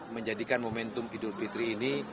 menjadikan momentum idul fitri ini